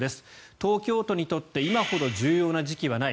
東京都にとって今ほど重要な時期はない。